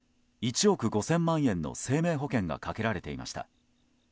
資産だった直子さんには１億５０００万円の生命保険がかけられていました。